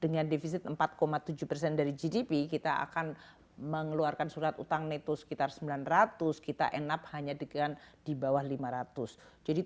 gdp kita akan mengeluarkan surat utang neto sekitar sembilan ratus kita enak hanya dikan dibawah lima ratus jadi